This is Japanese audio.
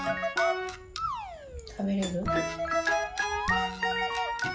たべれる？